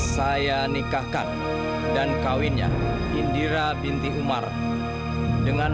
saya nikahkan dan kawinnya indira binti umar dengan